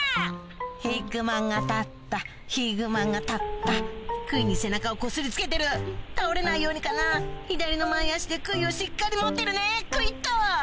ヒグマが立ったヒグマが立ったくいに背中をこすりつけてる倒れないようにかな左の前足でくいをしっかり持ってるねクイっと！